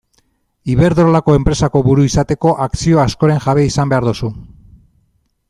Iberdrolako enpresako buru izateko akzio askoren jabe izan behar duzu.